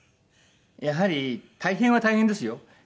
やはり大変は大変ですよ。